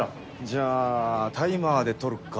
じゃあタイマーで撮るか。